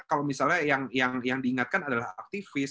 kalau misalnya yang diingatkan adalah aktivis